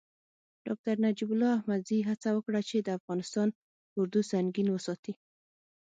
ډاکتر نجیب الله احمدزي هڅه وکړه چې د افغانستان اردو سنګین وساتي.